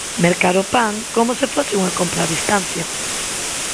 Mercar o pan como se fose unha compra a distancia.